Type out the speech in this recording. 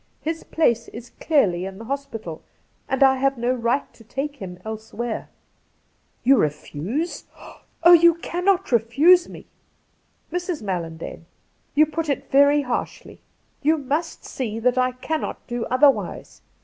His place is clearly in the hospital, and I have no i ight to take him elsewhere.' ' You refuse ? Oh, you cannot refuse me !'' Mrs. MaUandane, you put it very harshly. You must see that I cannot do otherwise.